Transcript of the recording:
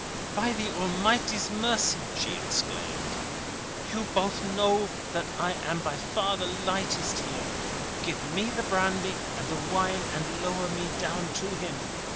"By the Almighty's mercy!" she exclaimed. "You both know that I am by far the lightest here. Give me the brandy and the wine, and lower me down to him.